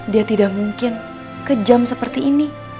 dia tidak mungkin kejam seperti ini